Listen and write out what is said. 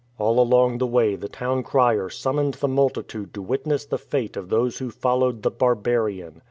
All along the way the town crier summoned the multitude to witness the fate of those who followed the "barbarian".